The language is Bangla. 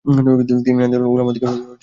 তিনি নাদওয়াতুল উলামা থেকে পদত্যাগ করেন।